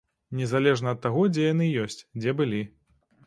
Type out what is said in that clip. Незалежна ад таго, дзе яны ёсць, дзе былі.